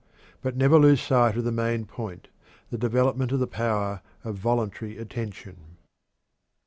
But never lose sight of the main point the development of the power of voluntary attention.